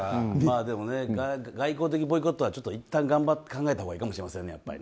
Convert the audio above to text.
でも、外交的ボイコットはいったん考えたほうがいいかもしれないですね。